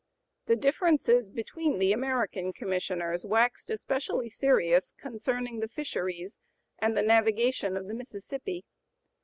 The differences between the American Commissioners waxed especially serious concerning the fisheries and the navigation of the Mississippi.